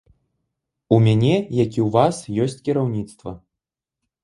У мяне, як і ў вас, ёсць кіраўніцтва.